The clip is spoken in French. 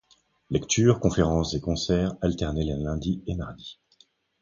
Lectures, conférences et concerts alternaient les lundis et mardis.